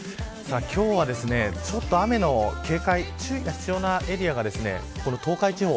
今日は雨の注意が必要なエリアが東海地方。